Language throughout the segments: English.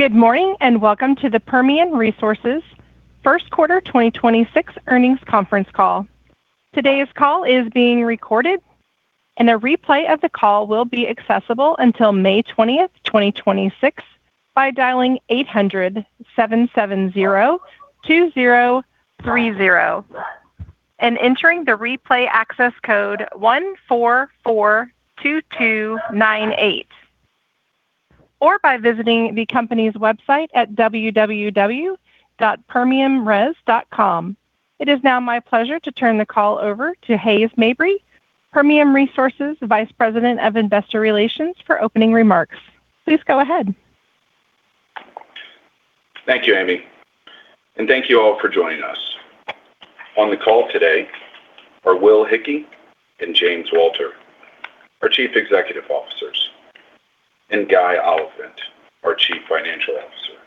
Good morning, and welcome to the Permian Resources First Quarter 2026 Earnings Conference Call. Today's call is being recorded, and a replay of the call will be accessible until May 20th, 2026 by dialing 800-770-2030 and entering the replay access code 1442298, or by visiting the company's website at www.permianres.com. It is now my pleasure to turn the call over to Hays Mabry, Permian Resources Vice President of Investor Relations, for opening remarks. Please go ahead. Thank you, Amy, and thank you all for joining us. On the call today are Will Hickey and James Walter, our Chief Executive Officers, and Guy Oliphint, our Chief Financial Officer.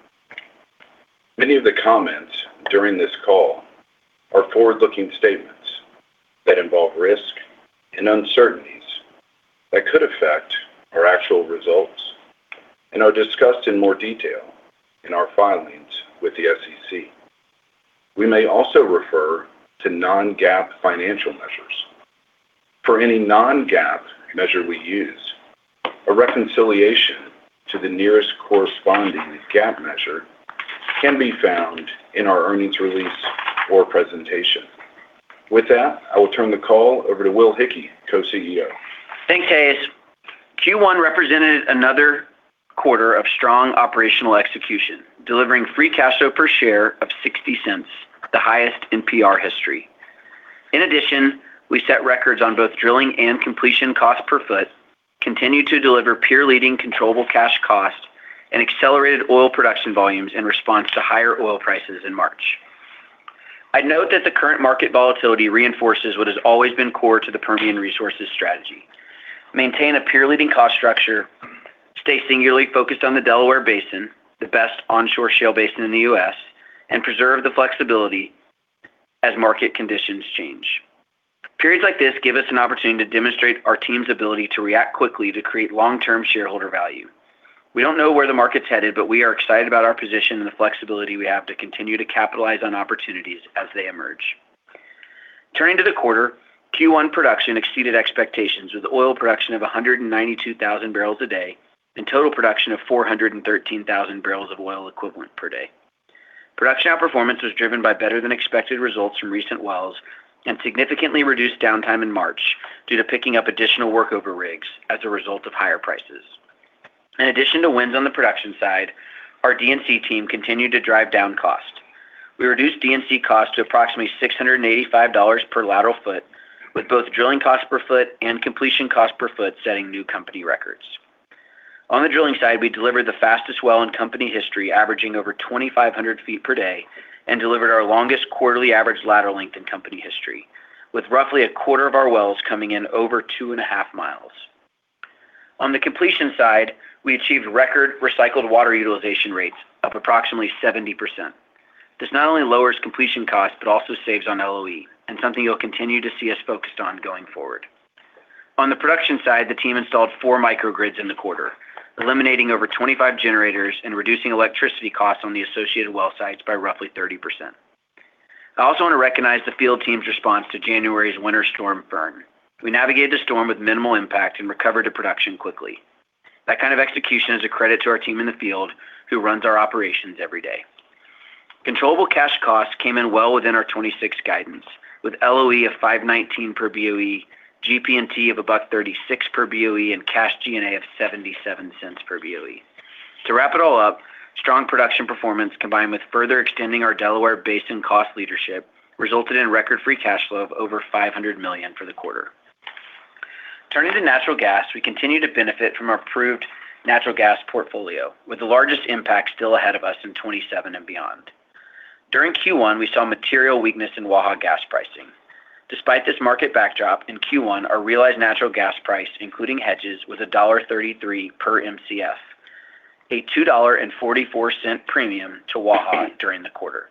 Many of the comments during this call are forward-looking statements that involve risk and uncertainties that could affect our actual results and are discussed in more detail in our filings with the SEC. We may also refer to non-GAAP financial measures. For any non-GAAP measure we use, a reconciliation to the nearest corresponding GAAP measure can be found in our earnings release or presentation. With that, I will turn the call over to Will Hickey, Co-CEO. Thanks, Hays. Q1 represented another quarter of strong operational execution, delivering free cash flow per share of $0.60, the highest in PR history. In addition, we set records on both drilling and completion cost per foot, continued to deliver peer-leading controllable cash cost, and accelerated oil production volumes in response to higher oil prices in March. I'd note that the current market volatility reinforces what has always been core to the Permian Resources strategy: maintain a peer-leading cost structure, stay singularly focused on the Delaware Basin, the best onshore shale basin in the U.S., and preserve the flexibility as market conditions change. Periods like this give us an opportunity to demonstrate our team's ability to react quickly to create long-term shareholder value. We don't know where the market's headed. We are excited about our position and the flexibility we have to continue to capitalize on opportunities as they emerge. Turning to the quarter, Q1 production exceeded expectations with oil production of 192,000 barrels a day and total production of 413,000 barrels of oil equivalent per day. Production outperformance was driven by better than expected results from recent wells and significantly reduced downtime in March due to picking up additional work over rigs as a result of higher prices. In addition to wins on the production side, our D&C team continued to drive down cost. We reduced D&C cost to approximately $685 per lateral foot, with both drilling cost per foot and completion cost per foot setting new company records. On the drilling side, we delivered the fastest well in company history, averaging over 2,500 ft per day and delivered our longest quarterly average lateral length in company history, with roughly a quarter of our wells coming in over 2.5 mi. On the completion side, we achieved record recycled water utilization rates of approximately 70%. This not only lowers completion cost, but also saves on LOE and something you'll continue to see us focused on going forward. On the production side, the team installed four microgrids in the quarter, eliminating over 25 generators and reducing electricity costs on the associated well sites by roughly 30%. I also want to recognize the field team's response to January's Winter Storm Blair. We navigated the storm with minimal impact and recovered the production quickly. That kind of execution is a credit to our team in the field who runs our operations every day. Controllable cash costs came in well within our 26 guidance with LOE of $5.19 per BOE, GP&T of $1.36 per BOE, and cash G&A of $0.77 per BOE. To wrap it all up, strong production performance combined with further extending our Delaware Basin cost leadership resulted in record free cash flow of over $500 million for the quarter. Turning to natural gas, we continue to benefit from our approved natural gas portfolio, with the largest impact still ahead of us in 2027 and beyond. During Q1, we saw material weakness in Waha gas pricing. Despite this market backdrop, in Q1, our realized natural gas price, including hedges, was $1.33 per Mcf, a $2.44 premium to Waha during the quarter.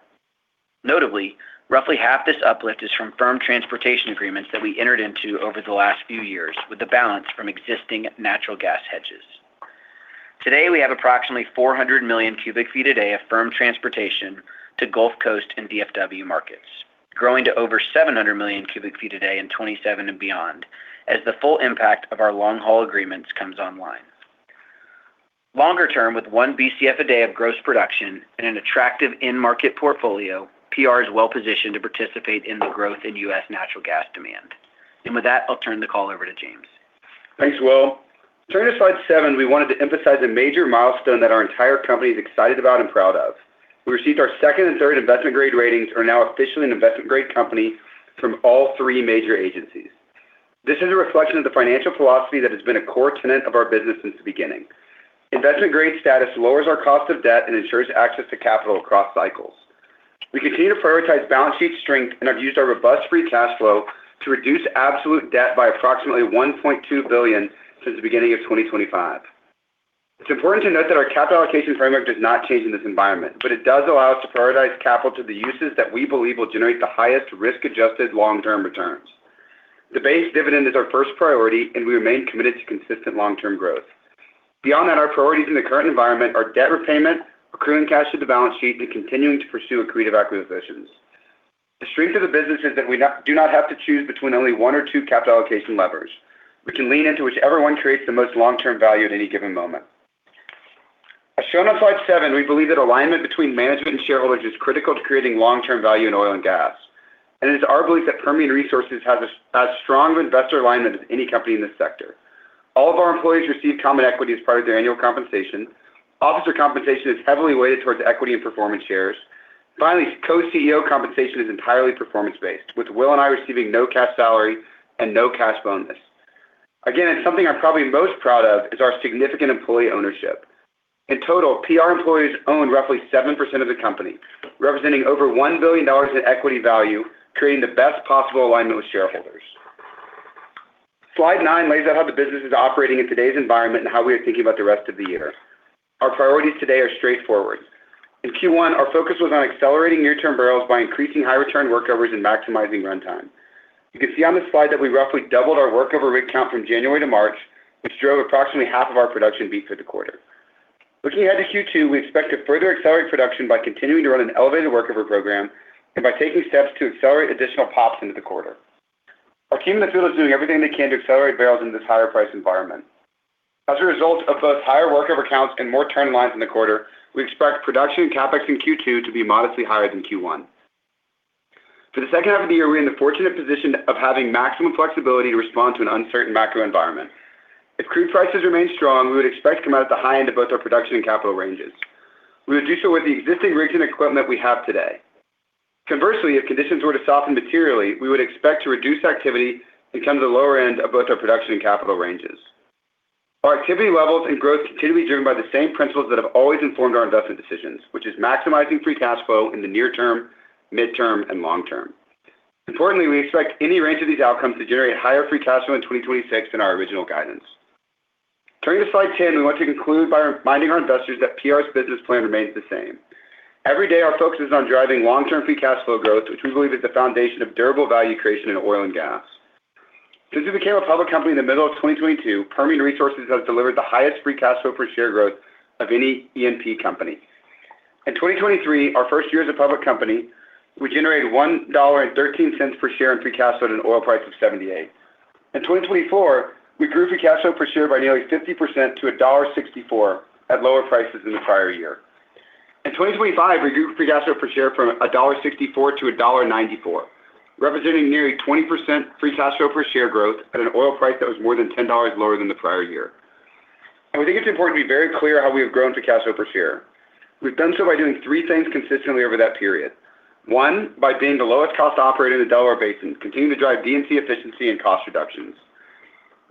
Notably, roughly half this uplift is from firm transportation agreements that we entered into over the last few years with the balance from existing natural gas hedges. Today, we have approximately 400 million cubic feet a day of firm transportation to Gulf Coast and DFW markets, growing to over 700 million cubic feet a day in 2027 and beyond, as the full impact of our long-haul agreements comes online. Longer term, with 1 Bcf a day of gross production and an attractive end market portfolio, PR is well-positioned to participate in the growth in U.S. natural gas demand. With that, I'll turn the call over to James. Thanks, Will. Turning to slide 7, we wanted to emphasize a major milestone that our entire company is excited about and proud of. We received our second and third investment-grade ratings. We are now officially an investment-grade company from all three major agencies. This is a reflection of the financial philosophy that has been a core tenet of our business since the beginning. Investment-grade status lowers our cost of debt and ensures access to capital across cycles. We continue to prioritize balance sheet strength and have used our robust free cash flow to reduce absolute debt by approximately $1.2 billion since the beginning of 2025. It is important to note that our capital allocation framework does not change in this environment, but it does allow us to prioritize capital to the uses that we believe will generate the highest risk-adjusted long-term returns. The base dividend is our first priority, and we remain committed to consistent long-term growth. Beyond that, our priorities in the current environment are debt repayment, accruing cash to the balance sheet, and continuing to pursue accretive acquisitions. The strength of the business is that we do not have to choose between only one or two capital allocation levers. We can lean into whichever one creates the most long-term value at any given moment. As shown on slide 7, we believe that alignment between management and shareholders is critical to creating long-term value in oil and gas, and it is our belief that Permian Resources has as strong of investor alignment as any company in this sector. All of our employees receive common equity as part of their annual compensation. Officer compensation is heavily weighted towards equity and performance shares. Finally, co-CEO compensation is entirely performance-based, with Will and I receiving no cash salary and no cash bonus. Again, it's something I'm probably most proud of is our significant employee ownership. In total, PR employees own roughly 7% of the company, representing over $1 billion in equity value, creating the best possible alignment with shareholders. Slide 9 lays out how the business is operating in today's environment and how we are thinking about the rest of the year. Our priorities today are straightforward. In Q1, our focus was on accelerating near-term barrels by increasing high return workovers and maximizing runtime. You can see on this slide that we roughly doubled our workover rig count from January to March, which drove approximately half of our production beats for the quarter. Looking ahead to Q2, we expect to further accelerate production by continuing to run an elevated workover program and by taking steps to accelerate additional POPs into the quarter. Our team in the field is doing everything they can to accelerate barrels into this higher price environment. As a result of both higher workover counts and more turn lines in the quarter, we expect production in CapEx in Q2 to be modestly higher than Q1. For the second half of the year, we're in the fortunate position of having maximum flexibility to respond to an uncertain macro environment. If crude prices remain strong, we would expect to come out at the high end of both our production and capital ranges. We would do so with the existing rig and equipment we have today. Conversely, if conditions were to soften materially, we would expect to reduce activity and come to the lower end of both our production and capital ranges. Our activity levels and growth continue to be driven by the same principles that have always informed our investment decisions, which is maximizing free cash flow in the near term, midterm, and long term. We expect any range of these outcomes to generate higher free cash flow in 2026 than our original guidance. Turning to slide 10, we want to conclude by reminding our investors that PR's business plan remains the same. Every day, our focus is on driving long-term free cash flow growth, which we believe is the foundation of durable value creation in oil and gas. Since we became a public company in the middle of 2022, Permian Resources has delivered the highest free cash flow per share growth of any E&P company. In 2023, our first year as a public company, we generated $1.13 per share in free cash flow at an oil price of $78. In 2024, we grew free cash flow per share by nearly 50% to $1.64 at lower prices than the prior year. In 2025, we grew free cash flow per share from $1.64-$1.94, representing nearly 20% free cash flow per share growth at an oil price that was more than $10 lower than the prior year. We think it's important to be very clear how we have grown free cash flow per share. We've done so by doing three things consistently over that period. One, by being the lowest cost operator in the Delaware Basin, continuing to drive D&C efficiency and cost reductions.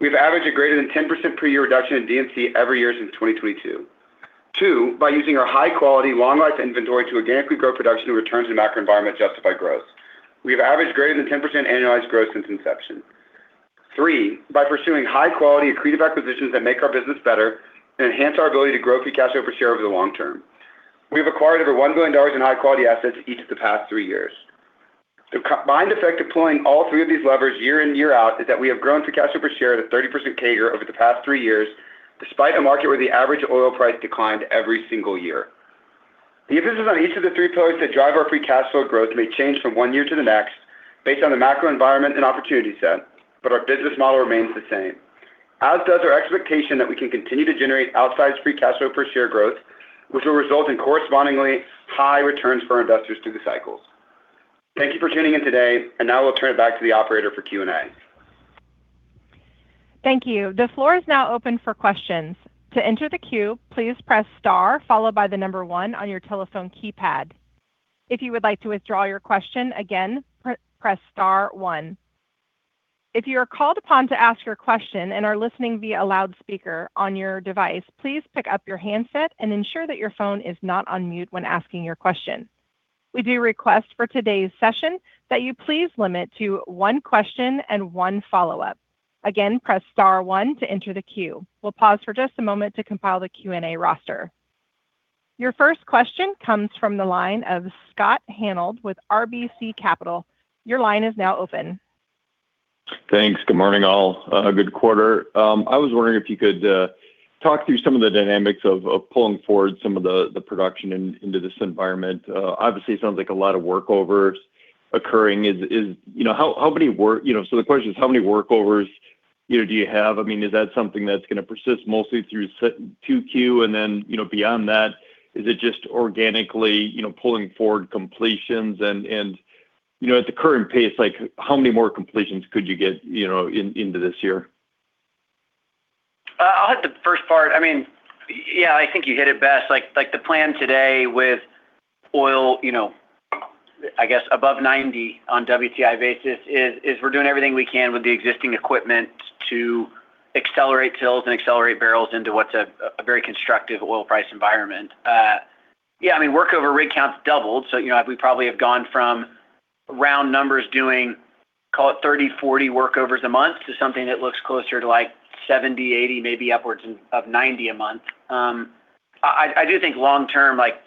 We've averaged a greater than 10% per year reduction in D&C every year since 2022. Two, by using our high quality long life inventory to organically grow production returns and macro environment justify growth. We have averaged greater than 10% annualized growth since inception. Three, by pursuing high-quality accretive acquisitions that make our business better and enhance our ability to grow free cash flow per share over the long term. We have acquired over $1 billion in high-quality assets each of the past three years. The co-combined effect of pulling all three of these levers year in, year out is that we have grown free cash flow per share at a 30% CAGR over the past three years, despite a market where the average oil price declined every single year. The emphasis on each of the three pillars that drive our free cash flow growth may change from one year to the next based on the macro environment and opportunity set, but our business model remains the same, as does our expectation that we can continue to generate outsized free cash flow per share growth, which will result in correspondingly high returns for our investors through the cycles. Thank you for tuning in today, and now we'll turn it back to the operator for Q&A. Thank you. The floor is now open for questions. To enter the queue, please press star followed by the number one on your telephone keypad. If you would like to withdraw your question, again, press star one. If you are called upon to ask your question and are listening via loudspeaker on your device, please pick up your handset and ensure that your phone is not on mute when asking your question. We do request for today's session that you please limit to one question and one follow-up. Again, press star 1 to enter the queue. We'll pause for just a moment to compile the Q&A roster. Your first question comes from the line of Scott Hanold with RBC Capital. Your line is now open. Thanks. Good morning, all. Good quarter. I was wondering if you could talk through some of the dynamics of pulling forward some of the production into this environment. Obviously, it sounds like a lot of workovers occurring. You know, so the question is how many workovers, you know, do you have? I mean, is that something that's gonna persist mostly through Q2? Then, you know, beyond that, is it just organically, you know, pulling forward completions and, you know, at the current pace, like, how many more completions could you get, you know, into this year? I'll hit the first part. I mean, yeah, I think you hit it best. Like, the plan today with oil, you know, I guess above 90 on WTI basis is we're doing everything we can with the existing equipment to accelerate TILs and accelerate barrels into what's a very constructive oil price environment. Yeah, I mean, workover rig count's doubled. You know, we probably have gone from round numbers doing, call it 30 workovers, 40 workovers a month to something that looks closer to, like, 70 workovers, 80 workovers, maybe upwards of 90 workovers a month. I do think long term, like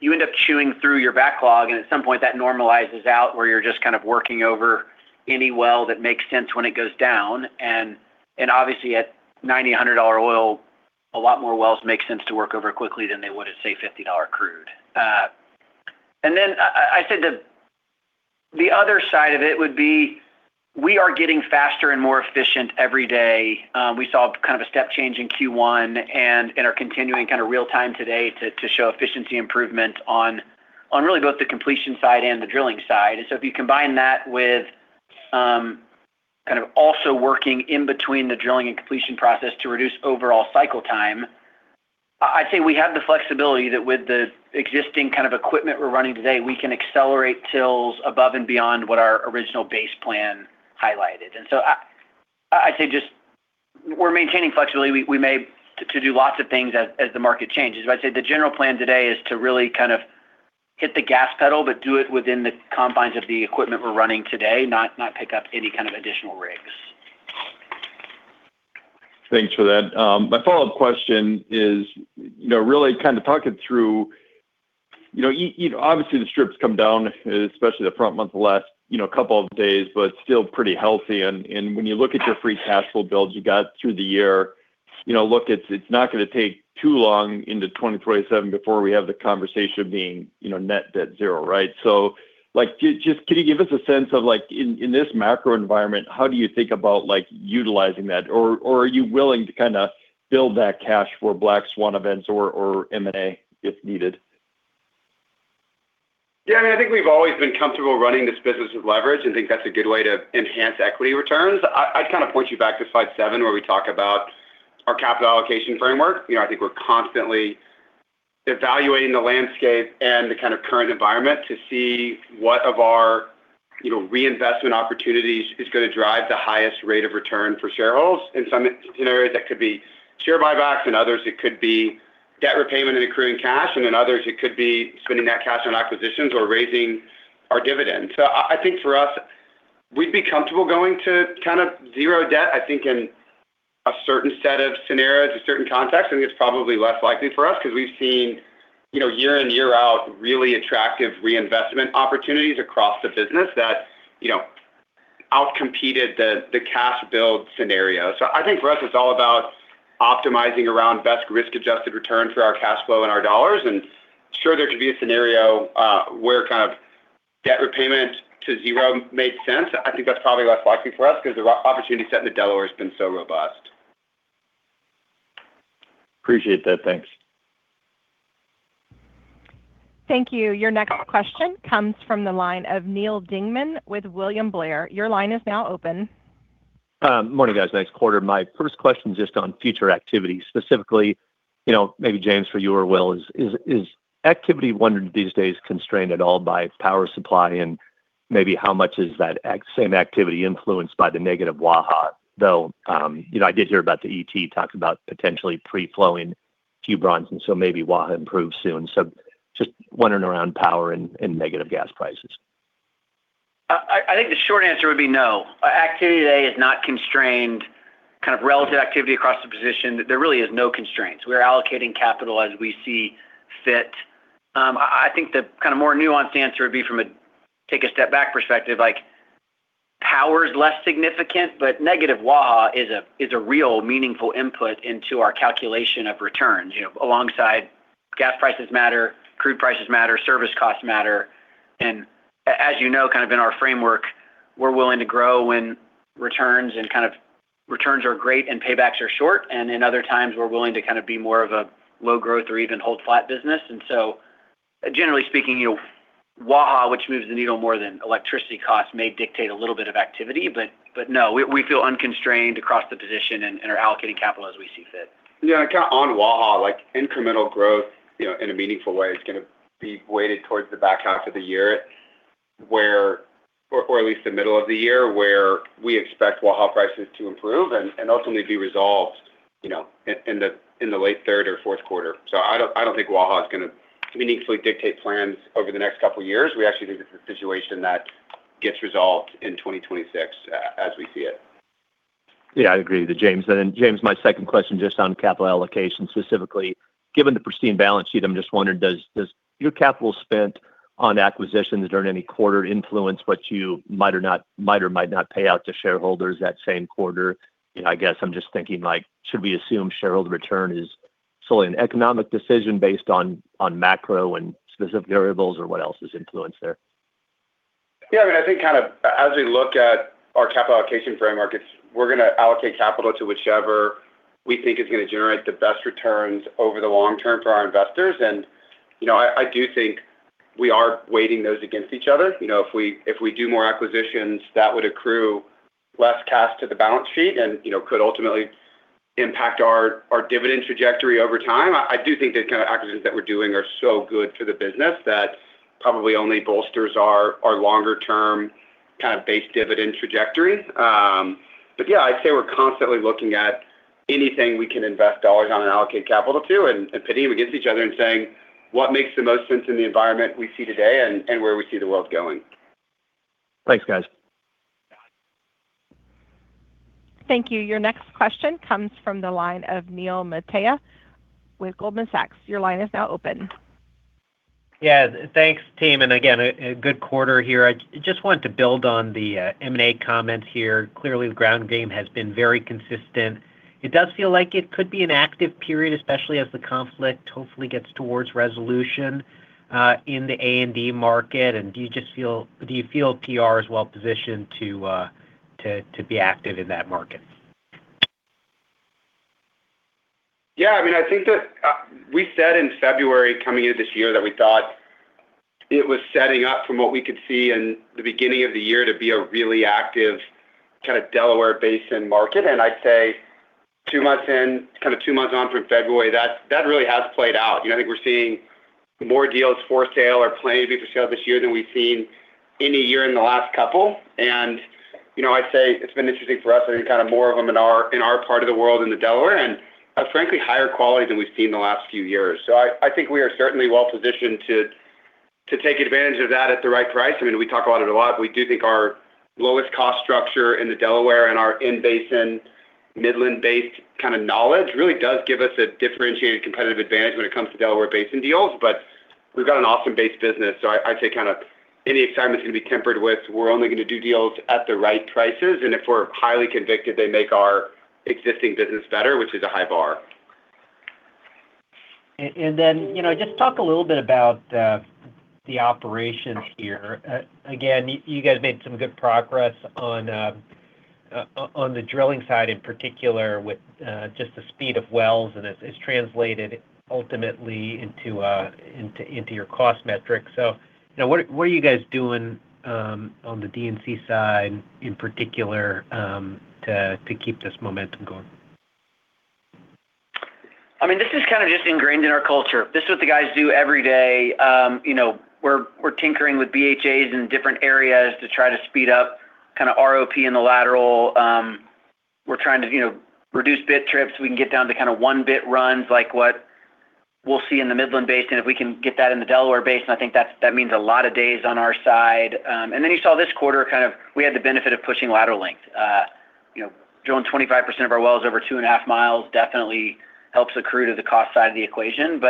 you end up chewing through your backlog, and at some point that normalizes out where you're just kind of working over any well that makes sense when it goes down. Obviously at $90, $100 oil, a lot more wells make sense to work over quickly than they would at, say, $50 crude. I said the other side of it would be we are getting faster and more efficient every day. We saw kind of a step change in Q1 and are continuing kind of real time today to show efficiency improvement on really both the completion side and the drilling side. If you combine that with kind of also working in between the drilling and completion process to reduce overall cycle time, I'd say we have the flexibility that with the existing kind of equipment we're running today, we can accelerate wells above and beyond what our original base plan highlighted. I say just we're maintaining flexibility. We may to do lots of things as the market changes. I'd say the general plan today is to really kind of hit the gas pedal but do it within the confines of the equipment we're running today, not pick up any kind of additional rigs. Thanks for that. My follow-up question is, you know, really kind of talk it through. You know, obviously, the strip's come down, especially the front month the last, you know, couple of days, but still pretty healthy. When you look at your free cash flow builds you got through the year, you know, look, it's not gonna take too long into 2027 before we have the conversation being, you know, net debt zero, right? Like, can you give us a sense of, like, in this macro environment, how do you think about, like, utilizing that? Or are you willing to kinda build that cash for black swan events or M&A if needed? I mean, I think we've always been comfortable running this business with leverage and think that's a good way to enhance equity returns. I'd kind of point you back to slide 7 where we talk about our capital allocation framework. You know, I think we're constantly evaluating the landscape and the kind of current environment to see what of our, you know, reinvestment opportunities is gonna drive the highest rate of return for shareholders. In some scenarios, that could be share buybacks, in others it could be debt repayment and accruing cash, and in others it could be spending that cash on acquisitions or raising our dividends. I think for us, we'd be comfortable going to kind of zero debt. I think in a certain set of scenarios, a certain context, I think it's probably less likely for us 'cause we've seen, you know, year in, year out really attractive reinvestment opportunities across the business that, you know, outcompeted the cash build scenario. I think for us it's all about optimizing around best risk-adjusted return for our cash flow and our dollars. Sure, there could be a scenario where kind of debt repayment to zero makes sense. I think that's probably less likely for us 'cause the opportunity set in the Delaware has been so robust. Appreciate that. Thanks. Thank you. Your next question comes from the line of Neal Dingmann with William Blair. Your line is now open. Morning, guys. Nice quarter. My first question is just on future activity. Specifically, maybe James for you or Will, is activity wondering these days constrained at all by power supply and maybe how much is that same activity influenced by the negative Waha? I did hear about the ET talk about potentially pre-flowing Hugh Brinson Pipeline and so maybe Waha improves soon. Just wondering around power and negative gas prices. I think the short answer would be no. Activity today is not constrained, kind of relative activity across the position. There really is no constraints. We're allocating capital as we see fit. I think the kind of more nuanced answer would be from a take a step back perspective, like power is less significant, but negative Waha is a real meaningful input into our calculation of returns. You know, alongside gas prices matter, crude prices matter, service costs matter. As you know, kind of in our framework, we're willing to grow when returns are great and paybacks are short. In other times, we're willing to kind of be more of a low growth or even hold flat business. Generally speaking, you know, Waha, which moves the needle more than electricity costs, may dictate a little bit of activity. No, we feel unconstrained across the position and are allocating capital as we see fit. On Waha, like, incremental growth, you know, in a meaningful way is gonna be weighted towards the back half of the year, or at least the middle of the year, where we expect Waha prices to improve and ultimately be resolved, you know, in the late third or fourth quarter. I don't think Waha is gonna meaningfully dictate plans over the next couple years. We actually think it's a situation that gets resolved in 2026 as we see it. Yeah, I agree with you, James. James, my second question just on capital allocation. Specifically, given the pristine balance sheet, I'm just wondering does your capital spent on acquisitions during any quarter influence what you might or might not pay out to shareholders that same quarter? You know, I guess I'm just thinking like should we assume shareholder return is solely an economic decision based on macro and specific variables or what else is influence there? Yeah. I mean, I think kind of as we look at our capital allocation framework, it's we're gonna allocate capital to whichever we think is gonna generate the best returns over the long term for our investors. You know, I do think we are weighting those against each other. You know, if we, if we do more acquisitions, that would accrue less cash to the balance sheet and, you know, could ultimately impact our dividend trajectory over time. I do think the kind of acquisitions that we're doing are so good for the business that probably only bolsters our longer term kind of base dividend trajectory. Yeah, I'd say we're constantly looking at anything we can invest dollars on and allocate capital to and pitting them against each other and saying, "What makes the most sense in the environment we see today and where we see the world going? Thanks, guys. Thank you. Your next question comes from the line of Neil Mehta with Goldman Sachs. Your line is now open. Yeah. Thanks, team. Again, a good quarter here. I just want to build on the M&A comment here. Clearly, the ground game has been very consistent. It does feel like it could be an active period, especially as the conflict hopefully gets towards resolution in the A&D market. Do you feel PR is well positioned to be active in that market? I mean, I think that we said in February coming into this year that we thought it was setting up from what we could see in the beginning of the year to be a really active kind of Delaware Basin market. I'd say two months in, kind of two months on from February, that really has played out. You know, I think we're seeing more deals for sale or planning to be for sale this year than we've seen any year in the last couple. You know, I'd say it's been interesting for us. There's been kind of more of them in our, in our part of the world in the Delaware, and frankly, higher quality than we've seen in the last few years. I think we are certainly well-positioned to take advantage of that at the right price. I mean, we talk about it a lot, but we do think our lowest cost structure in the Delaware and our in-basin, Midland-based kind of knowledge really does give us a differentiated competitive advantage when it comes to Delaware Basin deals. We've got an awesome based business. I'd say kind of any excitement is going to be tempered with, we're only going to do deals at the right prices, and if we're highly convicted, they make our existing business better, which is a high bar. Then, you know, just talk a little bit about the operations here. Again, you guys made some good progress on the drilling side, in particular with just the speed of wells, and it's translated ultimately into your cost metrics. You know, what are you guys doing on the D&C side in particular, to keep this momentum going? I mean, this is kind of just ingrained in our culture. This is what the guys do every day. You know, we're tinkering with BHAs in different areas to try to speed up kind of ROP in the lateral. We're trying to, you know, reduce bit trips. We can get down to kind of one-bit runs like what we'll see in the Midland Basin. If we can get that in the Delaware Basin, I think that means a lot of days on our side. Then you saw this quarter kind of we had the benefit of pushing lateral lengths. You know, drilling 25% of our wells over 2.5 mi definitely helps accrue to the cost side of the equation.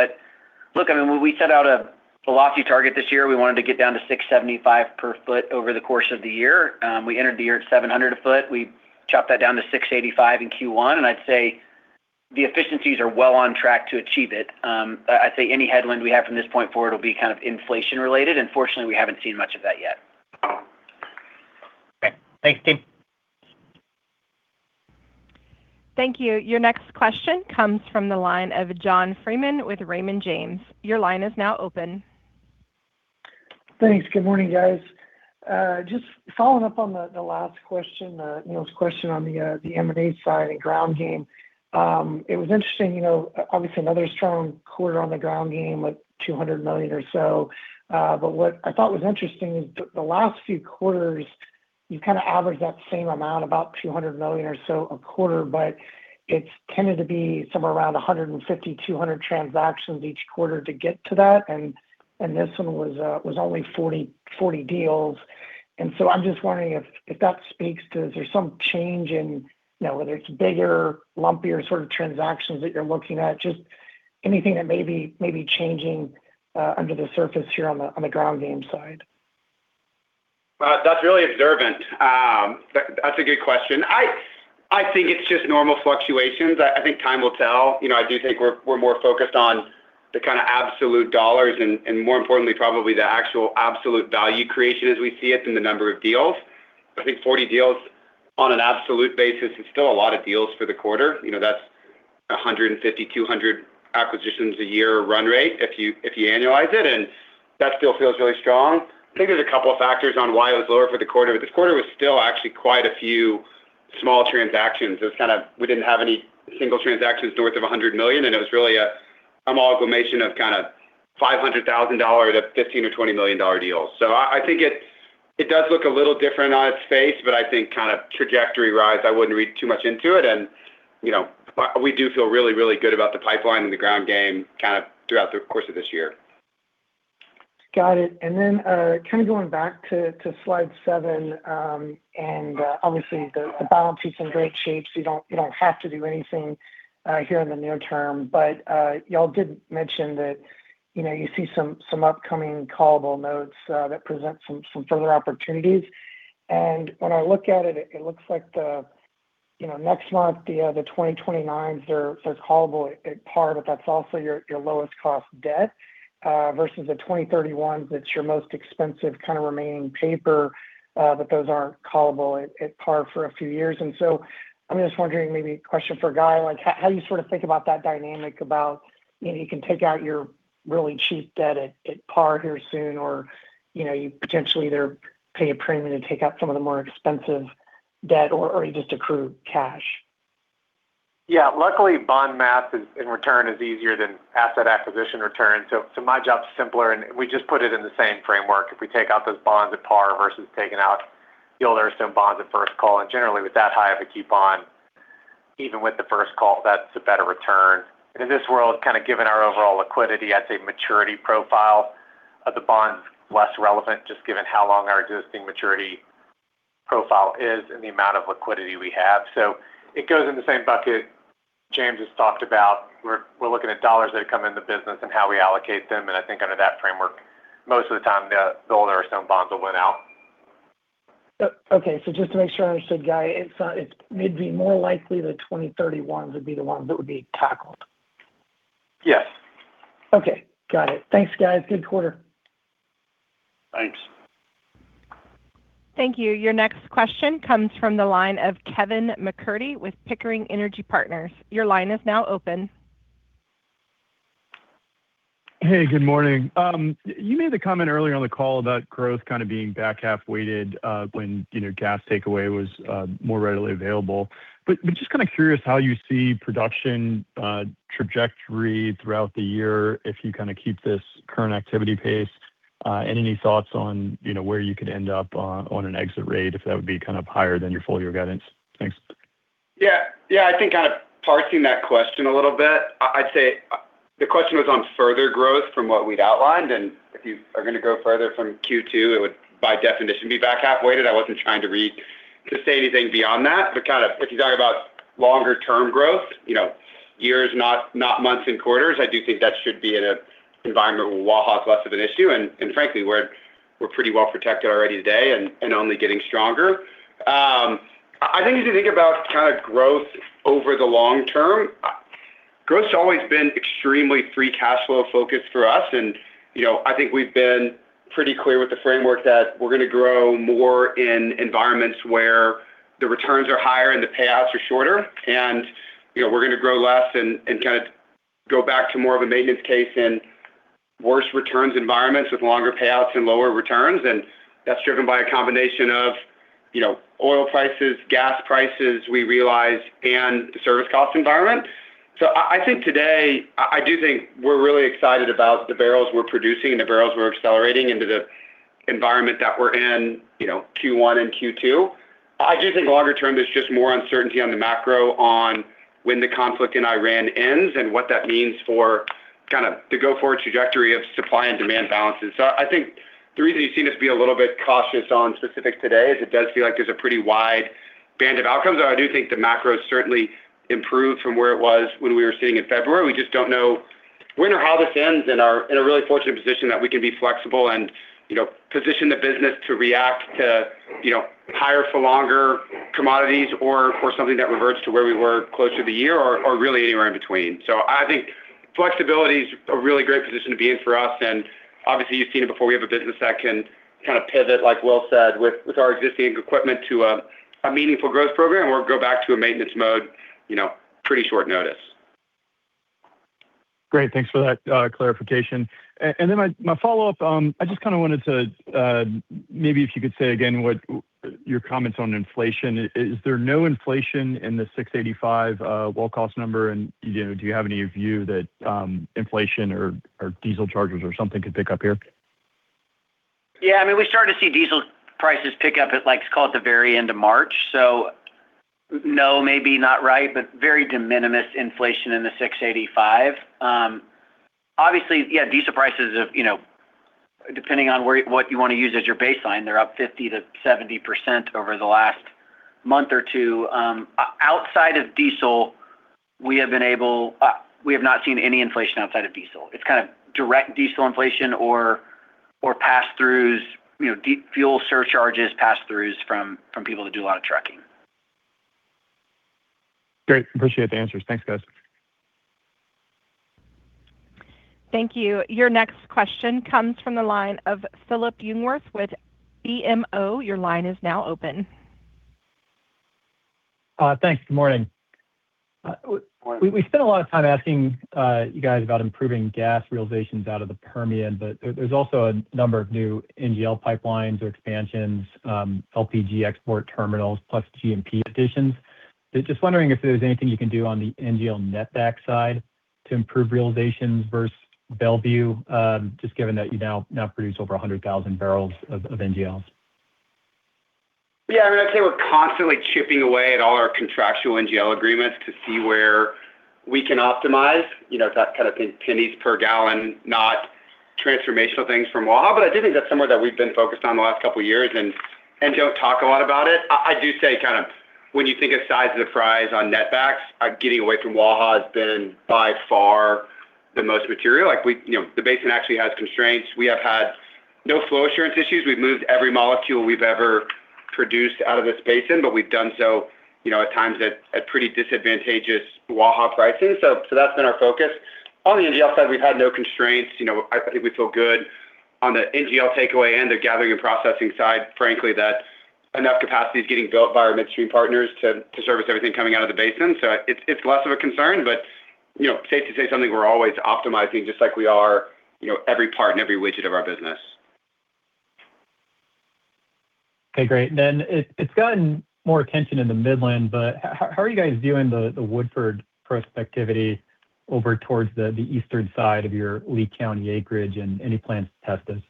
Look, I mean, when we set out a lofty target this year, we wanted to get down to $6.75 per foot over the course of the year. We entered the year at $700 a foot. We chopped that down to $685 in Q1, and I'd say the efficiencies are well on track to achieve it. I'd say any headwind we have from this point forward will be kind of inflation related. Fortunately, we haven't seen much of that yet. Okay. Thanks, team. Thank you. Your next question comes from the line of John Freeman with Raymond James. Your line is now open. Thanks. Good morning, guys. Just following up on the last question, Neil's question on the M&A side and ground game. It was interesting, you know, obviously another strong quarter on the ground game with $200 million or so. What I thought was interesting is the last few quarters, you kind of averaged that same amount, about $200 million or so a quarter, but it's tended to be somewhere around $150 million, $200 million transactions each quarter to get to that. This one was only 40 deals. I'm just wondering if that speaks to, is there some change in, you know, whether it's bigger, lumpier sort of transactions that you're looking at? Just anything that may be changing under the surface here on the ground game side. That's really observant. That's a good question. I think it's just normal fluctuations. I think time will tell. You know, I do think we're more focused on the kind of absolute dollars and more importantly, probably the actual absolute value creation as we see it in the number of deals. I think 40 deals on an absolute basis is still a lot of deals for the quarter. You know, that's $150 million, $200 million acquisitions a year run rate if you annualize it, and that still feels really strong. I think there's a couple of factors on why it was lower for the quarter. This quarter was still actually quite a few small transactions. We didn't have any single transactions north of $100 million, and it was really an amalgamation of kind of $500,000 to $15 million or $20 million deals. I think it does look a little different on its face, but I think kind of trajectory rise, I wouldn't read too much into it. You know, we do feel really, really good about the pipeline and the ground game kind of throughout the course of this year. Got it. Then, kind of going back to slide 7, obviously the balance sheet's in great shape, so you don't have to do anything here in the near term. Y'all did mention that, you know, you see some upcoming callable notes that present some further opportunities. When I look at it looks like the, you know, next month the 2029s are callable at par, but that's also your lowest cost debt versus the 2031s that's your most expensive kind of remaining paper, but those aren't callable at par for a few years. I'm just wondering, maybe a question for Guy, like how you sort of think about that dynamic about, you know, you can take out your really cheap debt at par here soon, or, you know, you potentially either pay a premium to take out some of the more expensive debt or you just accrue cash. Yeah. Luckily, bond math is easier than asset acquisition return. My job is simpler, and we just put it in the same framework. If we take out those bonds at par versus taking out the older stone bonds at first call, and generally with that high of a keep on, even with the first call, that's a better return. In this world, kind of given our overall liquidity, I'd say maturity profile of the bond's less relevant just given how long our existing maturity profile is and the amount of liquidity we have. It goes in the same bucket James has talked about. We're looking at dollars that come into business and how we allocate them. I think under that framework, most of the time the older stone bonds will win out. Okay. Just to make sure I understood, Guy, it's, it may be more likely the 2031 ones would be the ones that would be tackled. Yes. Okay. Got it. Thanks, guys. Good quarter. Thanks. Thank you. Your next question comes from the line of Kevin MacCurdy with Pickering Energy Partners. Hey, good morning. You made the comment earlier on the call about growth kind of being back half weighted, when, you know, gas takeaway was more readily available. Just kind of curious how you see production trajectory throughout the year if you kind of keep this current activity pace. Any thoughts on, you know, where you could end up on an exit rate, if that would be kind of higher than your full year guidance? Thanks. Yeah. Yeah. I think kind of parsing that question a little bit, I'd say the question was on further growth from what we'd outlined, and if you are gonna go further from Q2, it would by definition be back half weighted. I wasn't trying to say anything beyond that. Kind of if you talk about longer term growth, you know, years, not months and quarters, I do think that should be in an environment where Waha is less of an issue. Frankly, we're pretty well protected already today and only getting stronger. I think if you think about kind of growth over the long term, growth's always been extremely free cash flow focused for us. You know, I think we've been pretty clear with the framework that we're gonna grow more in environments where the returns are higher and the payouts are shorter. You know, we're gonna grow less and kind of go back to more of a maintenance case in worse returns environments with longer payouts and lower returns. That's driven by a combination of, you know, oil prices, gas prices we realize, and the service cost environment. I think today I do think we're really excited about the barrels we're producing and the barrels we're accelerating into the environment that we're in, you know, Q1 and Q2. I do think longer term, there's just more uncertainty on the macro on when the conflict in Iran ends and what that means for kind of the go forward trajectory of supply and demand balances. I think the reason you've seen us be a little bit cautious on specifics today is it does feel like there's a pretty wide band of outcomes. I do think the macro's certainly improved from where it was when we were sitting in February. We just don't know how this ends and are in a really fortunate position that we can be flexible and, you know, position the business to react to, you know, higher for longer commodities or for something that reverts to where we were close to the year or really anywhere in between. I think flexibility is a really great position to be in for us. Obviously you've seen it before. We have a business that can kind of pivot, like Will said, with our existing equipment to a meaningful growth program or go back to a maintenance mode, you know, pretty short notice. Great. Thanks for that clarification. Then my follow-up, I just kind of wanted to maybe if you could say again what your comments on inflation? Is there no inflation in the $685 well cost number? You know, do you have any view that inflation or diesel charges or something could pick up here? Yeah, I mean, we started to see diesel prices pick up at like, let's call it the very end of March. So no, maybe not right, but very de minimis inflation in the $685. Obviously, yeah, diesel prices have, you know, depending on what you want to use as your baseline, they're up 50%-70% over the last month or two. Outside of diesel, we have not seen any inflation outside of diesel. It's kind of direct diesel inflation or pass-throughs, you know, deep fuel surcharges pass-throughs from people that do a lot of trucking. Great. Appreciate the answers. Thanks, guys. Thank you. Your next question comes from the line of Phillip Jungwirth with BMO. Your line is now open. Thanks. Good morning. Morning. We spent a lot of time asking you guys about improving gas realizations out of the Permian, but there's also a number of new NGL pipelines or expansions, LPG export terminals, plus G&P additions. Just wondering if there's anything you can do on the NGL net back side to improve realizations versus Mont Belvieu, just given that you now produce over 100,000 barrels of NGLs? I'd say we're constantly chipping away at all our contractual NGL agreements to see where we can optimize. You know, that's kind of pen-pennies per gallon, not transformational things from Waha. I do think that's somewhere that we've been focused on the last couple of years and don't talk a lot about it. I do say kind of when you think of size of the fries on net backs, getting away from Waha has been by far the most material. You know, the basin actually has constraints. We have had no flow assurance issues. We've moved every molecule we've ever produced out of this basin, but we've done so, you know, at times at pretty disadvantageous Waha pricing. That's been our focus. On the NGL side, we've had no constraints. You know, I think we feel good. On the NGL takeaway and the gathering and processing side, frankly, that enough capacity is getting built by our midstream partners to service everything coming out of the basin. It's less of a concern, but, you know, safe to say something we're always optimizing just like we are, you know, every part and every widget of our business. Okay, great. It's gotten more attention in the Midland, but how are you guys viewing the Woodford prospectivity over towards the eastern side of your Lea County acreage and any plans to test it?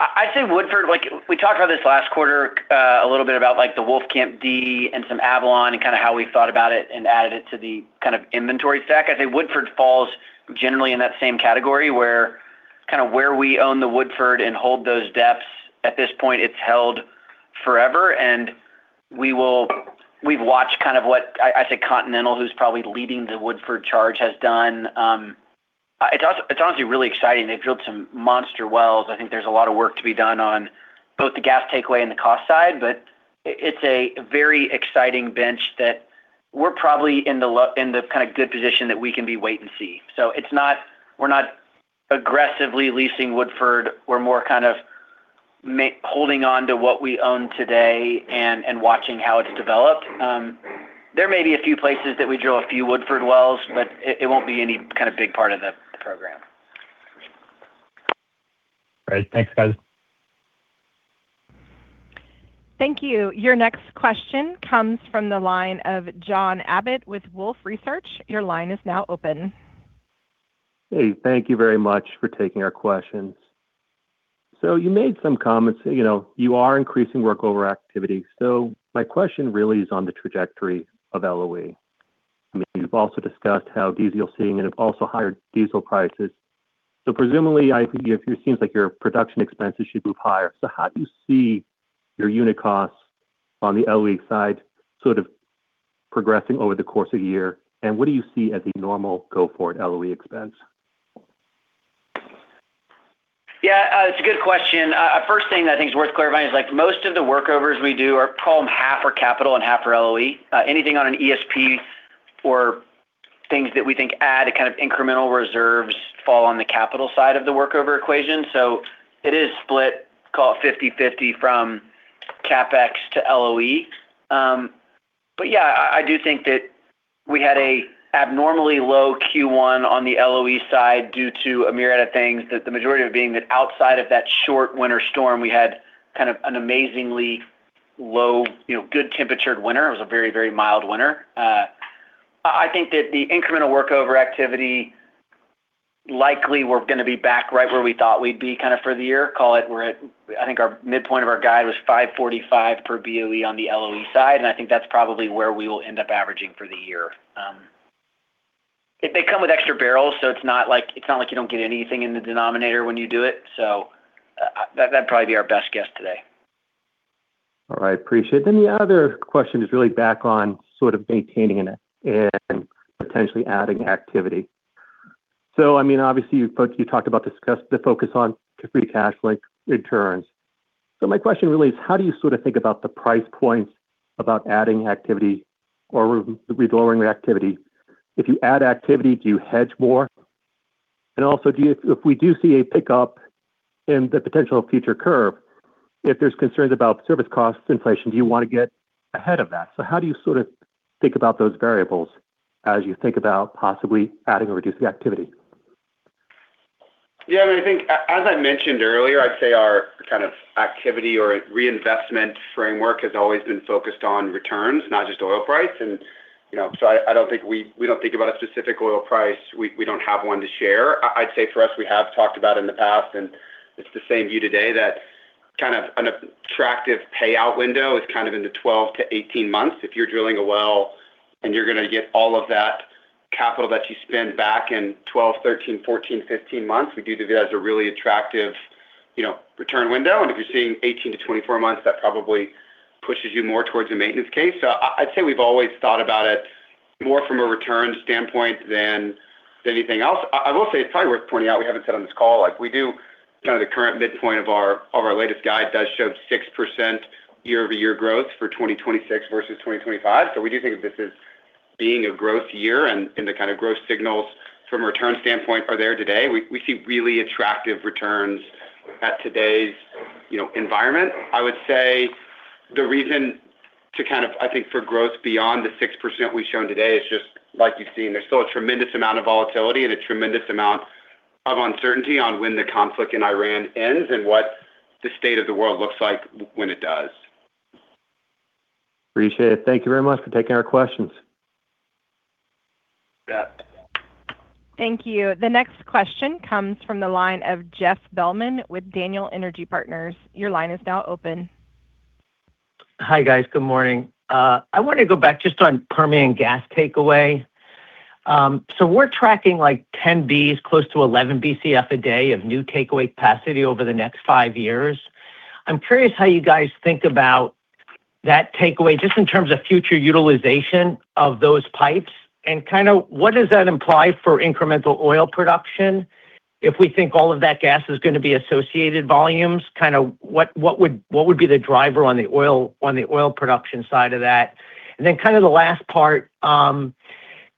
I'd say Woodford, like we talked about this last quarter, a little bit about like the Wolfcamp D and some Avalon, and kind of how we thought about it and added it to the kind of inventory stack. I'd say Woodford falls generally in that same category where kind of where we own the Woodford and hold those depths, at this point, it's held forever. We've watched kind of what I say Continental, who's probably leading the Woodford charge has done. It's also, it's honestly really exciting. They've drilled some monster wells. I think there's a lot of work to be done on both the gas takeaway and the cost side. It's a very exciting bench that we're probably in the kind of good position that we can be wait and see. We're not aggressively leasing Woodford. We're more kind of holding on to what we own today and watching how it's developed. There may be a few places that we drill a few Woodford wells, but it won't be any kind of big part of the program. Great. Thanks, guys. Thank you. Your next question comes from the line of John Abbott with Wolfe Research. Your line is now open. Hey. Thank you very much for taking our questions. So you made some comments that, you know, you are increasing work over activity. So my question really is on the trajectory of LOE. I mean, you've also discussed how diesel pricing and have also higher diesel prices. So presumably, it seems like your production expenses should move higher. So how do you see your unit costs on the LOE side sort of progressing over the course of year? And what do you see as a normal go forward LOE expense? It's a good question. First thing that I think is worth clarifying is, like most of the workovers we do are probably half are capital and half are LOE. Anything on an ESP or things that we think add a kind of incremental reserves fall on the capital side of the workover equation. It is split, call it 50/50 from CapEx to LOE. Yeah, I do think that we had an abnormally low Q1 on the LOE side due to a myriad of things. That the majority of being that outside of that short winter storm, we had kind of an amazingly low, you know, good temperatured winter. It was a very, very mild winter. I think that the incremental workover activity likely we're gonna be back right where we thought we'd be kind of for the year. Call it I think our midpoint of our guide was $5.45 per BOE on the LOE side. I think that's probably where we will end up averaging for the year. They come with extra barrels, it's not like you don't get anything in the denominator when you do it. That'd probably be our best guess today. All right. Appreciate it. The other question is really back on sort of maintaining it and potentially adding activity. I mean, obviously, you talked about the focus on to free cash, like returns. My question really is how do you sort of think about the price points about adding activity or relowering the activity? If you add activity, do you hedge more? Also, do you if we do see a pickup in the potential future curve, if there's concerns about service costs inflation, do you wanna get ahead of that? How do you sort of think about those variables as you think about possibly adding or reducing activity? I mean, I think as I mentioned earlier, I'd say our kind of activity or reinvestment framework has always been focused on returns, not just oil price. You know, I don't think we don't think about a specific oil price. We don't have one to share. I'd say for us, we have talked about in the past, and it's the same view today, that kind of an attractive payout window is kind of in the 12-18 months. If you're drilling a well and you're going to get all of that capital that you spend back in 12, 13, 14, 15 months, we do view that as a really attractive, you know, return window. If you're seeing 18-24 months, that probably pushes you more towards a maintenance case. I'd say we've always thought about it more from a return standpoint than anything else. I will say it's probably worth pointing out, we haven't said on this call, like we do kind of the current midpoint of our, of our latest guide does show 6% year-over-year growth for 2026 versus 2025. We do think of this as being a growth year, and the kind of growth signals from a return standpoint are there today. We see really attractive returns at today's, you know, environment. I would say the reason to kind of, I think, for growth beyond the 6% we've shown today is just like you've seen, there's still a tremendous amount of volatility and a tremendous amount of uncertainty on when the conflict in Iran ends and what the state of the world looks like when it does. Appreciate it. Thank you very much for taking our questions. You bet. Thank you. The next question comes from the line of Jeff Bellman with Daniel Energy Partners. Your line is now open. Hi, guys. Good morning. I wanted to go back just on Permian gas takeaway. We're tracking like 10 Bcf, close to 11 Bcf a day of new takeaway capacity over the next five years. I'm curious how you guys think about that takeaway, just in terms of future utilization of those pipes, and kind of what does that imply for incremental oil production? If we think all of that gas is gonna be associated volumes, kind of what would be the driver on the oil, on the oil production side of that? Kind of the last part,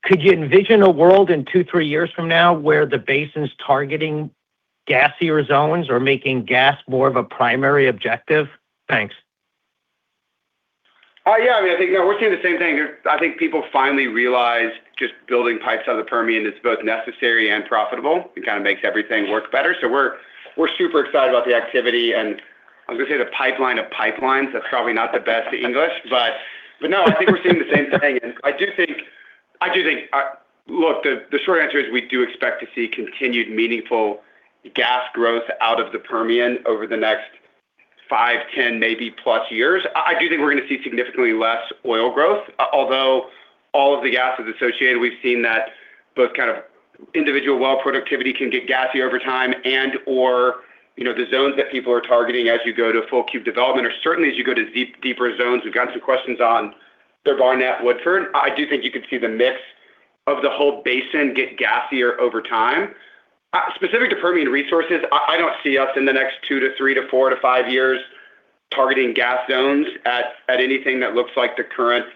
could you envision a world in two, three years from now where the basin's targeting gassier zones or making gas more of a primary objective? Thanks. Yeah. I mean, I think, you know, we're seeing the same thing. I think people finally realize just building pipes out of the Permian is both necessary and profitable. It kind of makes everything work better. We're, we're super excited about the activity. I was gonna say the pipeline of pipelines, that's probably not the best English, but no, I think we're seeing the same thing. I do think, look, the short answer is we do expect to see continued meaningful gas growth out of the Permian over the next five, 10, maybe plus years. I do think we're gonna see significantly less oil growth, although all of the gas is associated. We've seen that both kind of individual well productivity can get gassy over time and/or, you know, the zones that people are targeting as you go to full cube development, or certainly as you go to deep-deeper zones. We've gotten some questions on the Barnett Woodford. I do think you could see the mix of the whole basin get gassier over time. Specific to Permian Resources, I don't see us in the next 2 to 3 to 4 to 5 years targeting gas zones at anything that looks like the current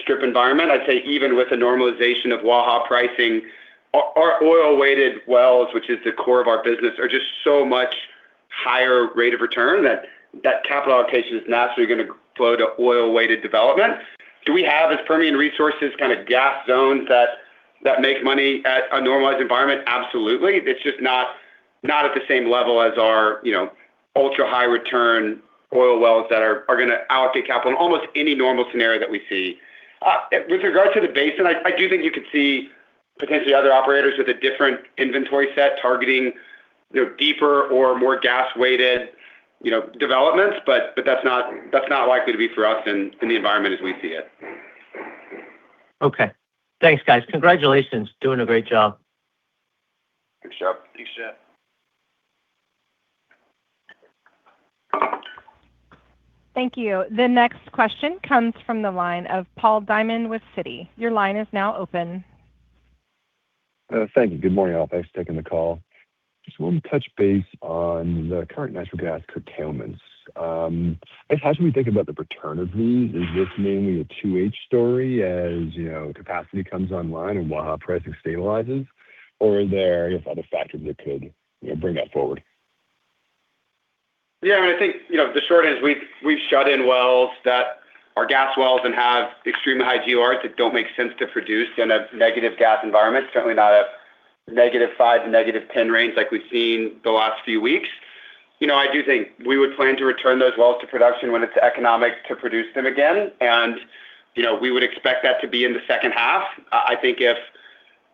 strip environment. I'd say even with the normalization of Waha pricing, our oil-weighted wells, which is the core of our business, are just so much higher rate of return that capital allocation is naturally gonna flow to oil-weighted development. Do we have, as Permian Resources, kind of gas zones that make money at a normalized environment? Absolutely. It's just not at the same level as our, you know, ultra-high return oil wells that are gonna allocate capital in almost any normal scenario that we see. With regard to the basin, I do think you could see potentially other operators with a different inventory set targeting, you know, deeper or more gas-weighted, you know, developments, but that's not likely to be for us in the environment as we see it. Okay. Thanks, guys. Congratulations. Doing a great job. Good job. Thanks, Jeff. Thank you. The next question comes from the line of Paul Diamond with Citi. Your line is now open. Thank you. Good morning, all. Thanks for taking the call. Just wanted to touch base on the current natural gas curtailments. I guess, how should we think about the return of these? Is this mainly a two-stage story as, you know, capacity comes online and Waha pricing stabilizes? Or are there, I guess, other factors that could, you know, bring that forward? Yeah, I mean, I think, you know, the short answer is we've shut in wells that are gas wells and have extremely high GORs that don't make sense to produce in a negative gas environment, certainly not a -$5 to -$10 range like we've seen the last few weeks. You know, I do think we would plan to return those wells to production when it's economic to produce them again. You know, we would expect that to be in the second half. I think if,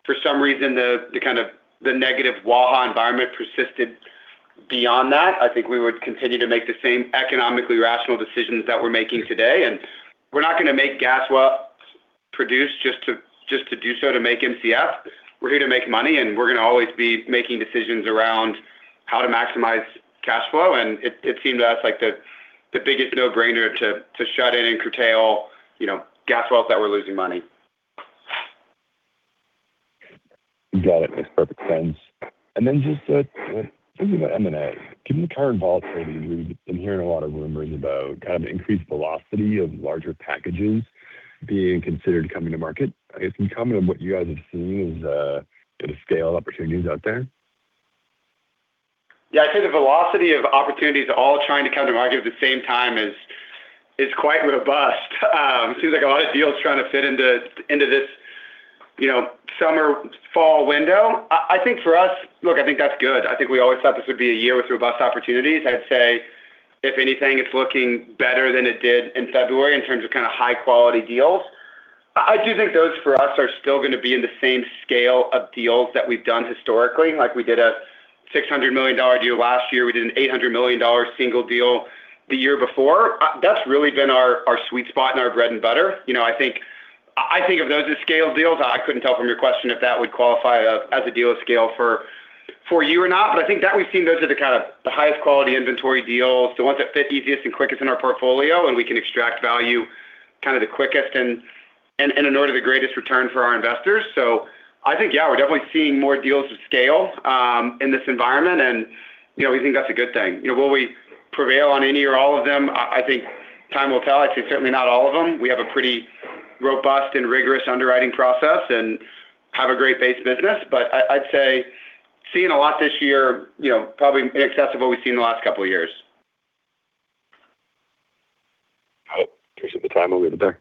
for some reason, the kind of the negative Waha environment persisted beyond that, I think we would continue to make the same economically rational decisions that we're making today. We're not gonna make gas well produce just to do so to make Mcf. We're here to make money, and we're gonna always be making decisions around how to maximize cash flow. It seemed to us like the biggest no-brainer to shut in and curtail, you know, gas wells that were losing money. Got it. Makes perfect sense. Then just thinking about M&A. Given the current volatility, we've been hearing a lot of rumors about kind of increased velocity of larger packages being considered coming to market. I guess, can you comment on what you guys have seen as the scale opportunities out there? Yeah, I'd say the velocity of opportunities all trying to come to market at the same time is quite robust. Seems like a lot of deals trying to fit into this, you know, summer, fall window. I think for us. I think that's good. I think we always thought this would be a year with robust opportunities. I'd say if anything, it's looking better than it did in February in terms of kinda high-quality deals. I do think those, for us, are still gonna be in the same scale of deals that we've done historically. Like, we did a $600 million deal last year. We did an $800 million single deal the year before. That's really been our sweet spot and our bread and butter. You know, I think of those as scale deals. I couldn't tell from your question if that would qualify as a deal of scale for you or not. I think that we've seen those are the kind of the highest quality inventory deals, the ones that fit easiest and quickest in our portfolio, and we can extract value kind of the quickest and in order the greatest return for our investors. I think, yeah, we're definitely seeing more deals of scale in this environment and, you know, we think that's a good thing. You know, will we prevail on any or all of them? I think time will tell. I'd say certainly not all of them. We have a pretty robust and rigorous underwriting process and have a great base business. I'd say seeing a lot this year, you know, probably in excess of what we've seen in the last couple of years. All right. Appreciate the time. Over to operator.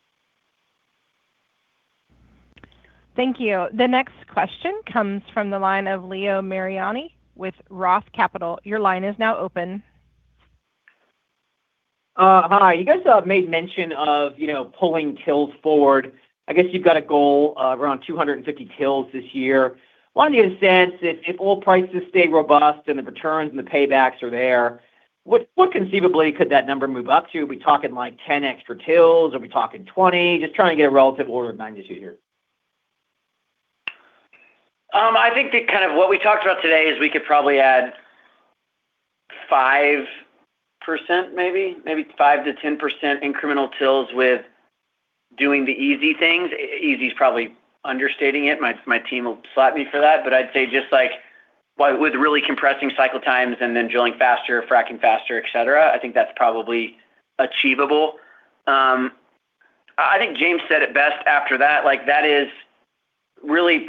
Thank you. The next question comes from the line of Leo Mariani with ROTH Capital. Your line is now open. Hi. You guys, made mention of, you know, pulling TILs forward. I guess you've got a goal of around 250 TILs this year. Wanted to get a sense if oil prices stay robust and the returns and the paybacks are there, what conceivably could that number move up to? Are we talking, like, 10 extra TILs? Are we talking 20 TILs? Just trying to get a relative order of magnitude here. I think kind of what we talked about today is we could probably add 5% maybe 5%-10% incremental wells with doing the easy things. Easy is probably understating it. My team will slap me for that. I'd say just with really compressing cycle times and then drilling faster, fracking faster, et cetera, I think that's probably achievable. I think James said it best after that. That is really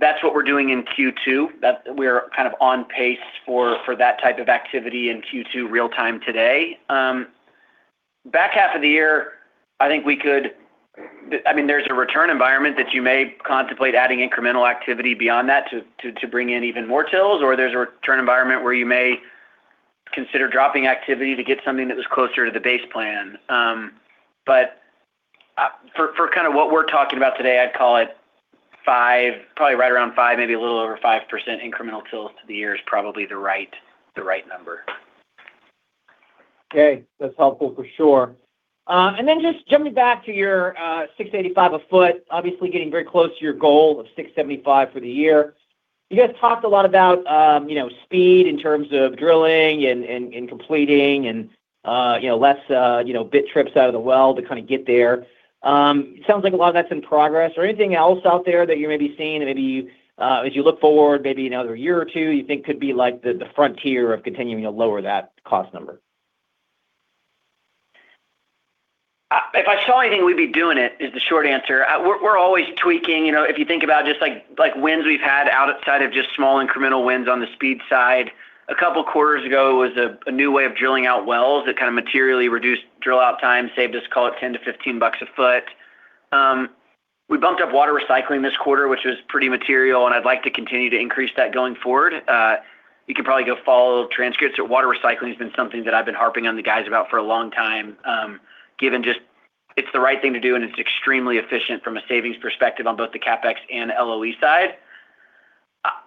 that's what we're doing in Q2. We're kind of on pace for that type of activity in Q2 real time today. Back half of the year, I think we could I mean, there's a return environment that you may contemplate adding incremental activity beyond that to bring in even more wells, or there's a return environment where you may consider dropping activity to get something that was closer to the base plan. For kind of what we're talking about today, I'd call it 5%, probably right around 5%, maybe a little over 5% incremental wells to the year is probably the right number. Okay. That's helpful for sure. Then just jumping back to your $685 a foot, obviously getting very close to your goal of $675 for the year. You guys talked a lot about, you know, speed in terms of drilling and completing and, you know, less, you know, bit trips out of the well to kind of get there. It sounds like a lot of that's in progress. Anything else out there that you may be seeing, maybe, as you look forward, maybe another year or two, you think could be like the frontier of continuing to lower that cost number? If I saw anything, we'd be doing it, is the short answer. We're always tweaking. You know, if you think about just like wins we've had outside of just small incremental wins on the speed side. A couple quarters ago, it was a new way of drilling out wells that kind of materially reduced drill out time, saved us, call it $10-$15 a foot. We bumped up water recycling this quarter, which was pretty material, and I'd like to continue to increase that going forward. You can probably go follow transcripts. Water recycling has been something that I've been harping on the guys about for a long time, given just it's the right thing to do, and it's extremely efficient from a savings perspective on both the CapEx and LOE side.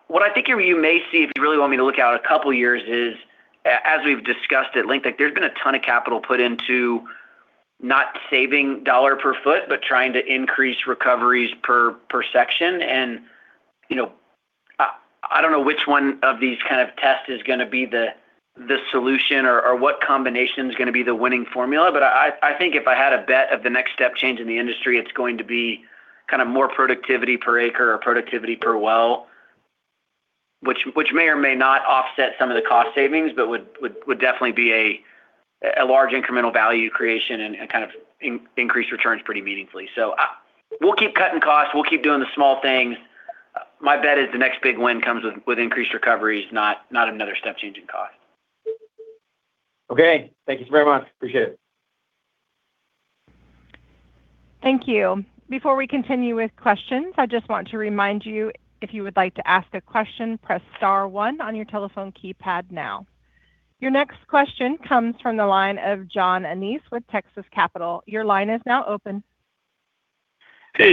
What I think you may see, if you really want me to look out a couple of years, is as we've discussed at length, like there's been a ton of capital put into not saving dollar per foot, but trying to increase recoveries per section. You know, I don't know which one of these kind of tests is going to be the solution or what combination is going to be the winning formula. I think if I had a bet of the next step change in the industry, it's going to be kind of more productivity per acre or productivity per well, which may or may not offset some of the cost savings, but would definitely be a large incremental value creation and kind of increase returns pretty meaningfully. We'll keep cutting costs. We'll keep doing the small things. My bet is the next big win comes with increased recoveries, not another step change in cost. Okay. Thank you so very much. Appreciate it. Thank you. Before we continue with questions, I just want to remind you, if you would like to ask a question, press star one on your telephone keypad now. Your next question comes from the line of John Annis with Texas Capital. Hey,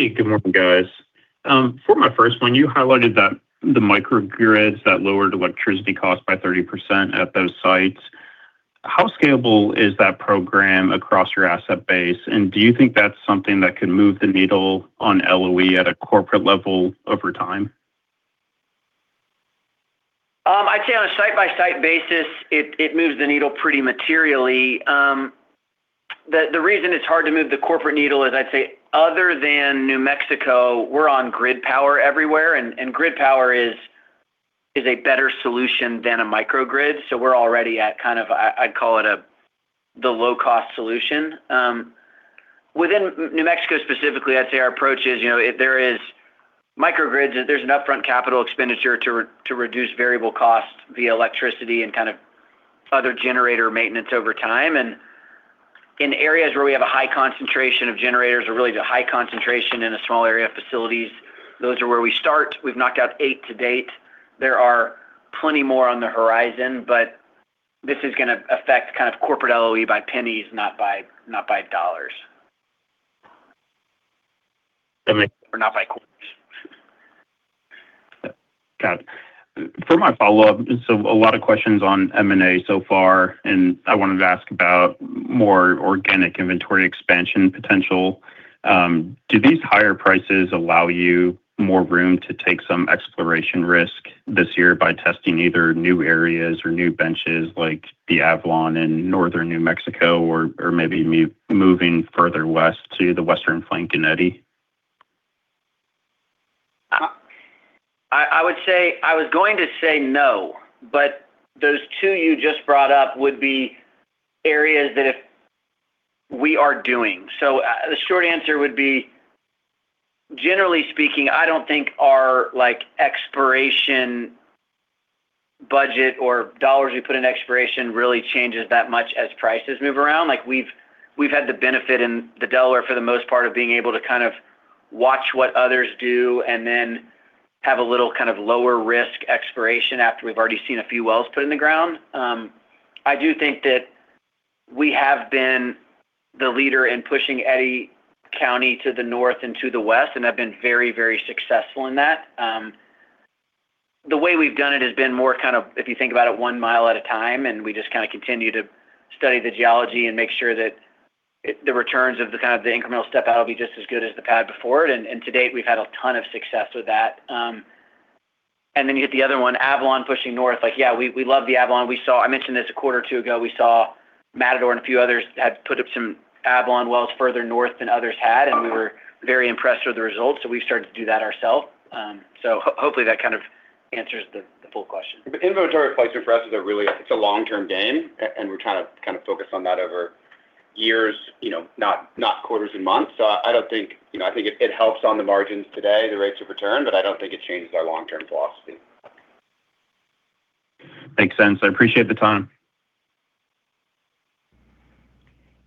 good morning, guys. For my first one, you highlighted that the microgrids that lowered electricity costs by 30% at those sites. How scalable is that program across your asset base? Do you think that's something that could move the needle on LOE at a corporate level over time? I'd say on a site-by-site basis, it moves the needle pretty materially. The reason it's hard to move the corporate needle is I'd say other than New Mexico, we're on grid power everywhere, and grid power is a better solution than a microgrid. We're already at kind of the low-cost solution. Within New Mexico specifically, I'd say our approach is, you know, if there is microgrids, there's an upfront capital expenditure to reduce variable costs via electricity and kind of other generator maintenance over time. In areas where we have a high concentration of generators or really the high concentration in a small area of facilities, those are where we start. We've knocked out eight to date. There are plenty more on the horizon, but this is gonna affect kind of corporate LOE by pennies, not by dollars. That makes- Not by quarters. Got it. For my follow-up, a lot of questions on M&A so far, and I wanted to ask about more organic inventory expansion potential. Do these higher prices allow you more room to take some exploration risk this year by testing either new areas or new benches like the Avalon in Northern New Mexico or moving further west to the Western flank in Eddy? I would say I was going to say no, but those two you just brought up would be areas that we are doing. The short answer would be, generally speaking, I don't think our, like, exploration budget or dollars we put in exploration really changes that much as prices move around. Like, we've had the benefit in the Delaware, for the most part, of being able to kind of watch what others do and then have a little kind of lower risk exploration after we've already seen a few wells put in the ground. I do think that we have been the leader in pushing Eddy County to the north and to the west, and have been very successful in that. The way we've done it has been more kind of, if you think about it, 1 mi at a time, and we just kinda continue to study the geology and make sure that the returns of the, kind of the incremental step out will be just as good as the pad before it. To date, we've had a ton of success with that. Then you hit the other one, Avalon pushing north. Like, yeah, we love the Avalon. We saw I mentioned this a one quarter or two ago. We saw Matador and a few others had put up some Avalon wells further north than others had, and we were very impressed with the results, so we've started to do that ourself. Hopefully that kind of answers the full question. Inventory replacement for us is a really, it's a long-term game, and we're trying to kind of focus on that over years, you know, not quarters and months. I don't think, you know, I think it helps on the margins today, the rates of return, but I don't think it changes our long-term philosophy. Makes sense. I appreciate the time.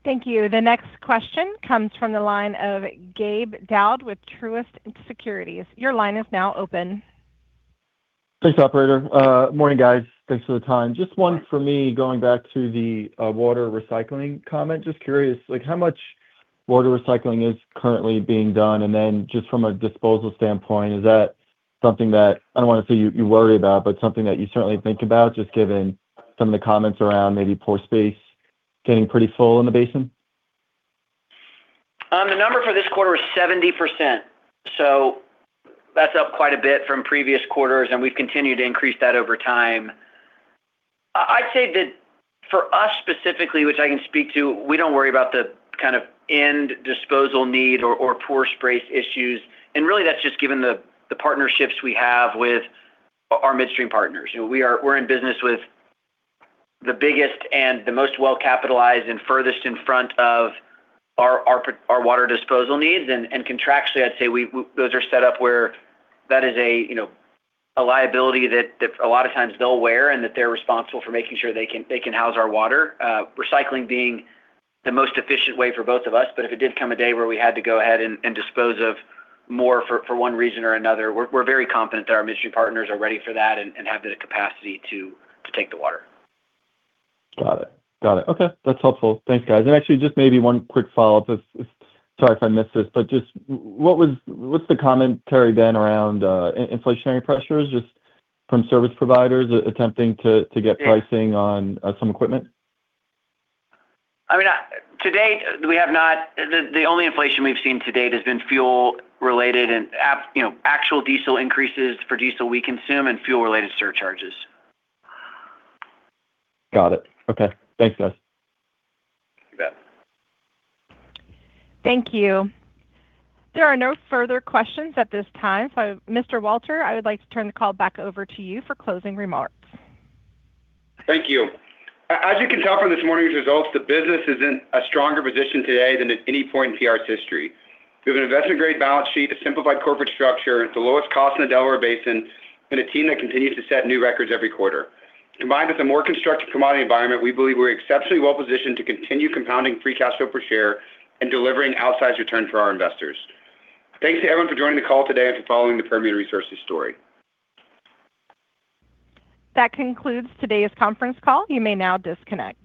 Thank you. The next question comes from the line of Gabe Daoud with Truist Securities. Your line is now open. Thanks, Operator. Morning, guys. Thanks for the time. Just one for me, going back to the water recycling comment. Just curious, like how much water recycling is currently being done? Just from a disposal standpoint, is that something that, I don't wanna say you worry about, but something that you certainly think about, just given some of the comments around maybe pore space getting pretty full in the basin? The number for this quarter was 70%, so that's up quite a bit from previous quarters, and we've continued to increase that over time. I'd say that for us specifically, which I can speak to, we don't worry about the kind of end disposal need or pore space issues. Really that's just given the partnerships we have with our midstream partners. You know, we're in business with the biggest and the most well-capitalized and furthest in front of our water disposal needs. Contractually, I'd say we those are set up where that is a, you know, a liability that a lot of times they'll wear and that they're responsible for making sure they can house our water. Recycling being the most efficient way for both of us. If it did come a day where we had to go ahead and dispose of more for one reason or another, we're very confident that our midstream partners are ready for that and have the capacity to take the water. Got it. Got it. Okay. That's helpful. Thanks, guys. Actually, just maybe one quick follow-up if Sorry if I missed this, what's the commentary then around inflationary pressures just from service providers attempting to get pricing on some equipment? I mean, The only inflation we've seen to date has been fuel related and at, you know, actual diesel increases for diesel we consume and fuel related surcharges. Got it. Okay. Thanks, guys. You bet. Thank you. There are no further questions at this time. Mr. Walter, I would like to turn the call back over to you for closing remarks. Thank you. As you can tell from this morning's results, the business is in a stronger position today than at any point in PR's history. We have an investment-grade balance sheet, a simplified corporate structure, the lowest cost in the Delaware Basin, and a team that continues to set new records every quarter. Combined with a more constructive commodity environment, we believe we're exceptionally well positioned to continue compounding free cash flow per share and delivering outsized return for our investors. Thanks to everyone for joining the call today and for following the Permian Resources story. That concludes today's conference call. You may now disconnect.